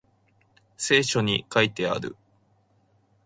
聖書に書いてある